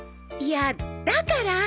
いやだから。